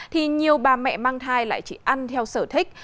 thì nhiều bà mẹ mang thai lại chỉ ăn theo sở thích